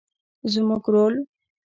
زموږ رول